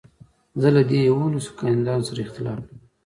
زه له دې يوولسو کانديدانو سره اختلاف لرم.